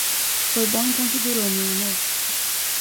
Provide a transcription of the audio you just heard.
Foi bom enquanto durou, meu amor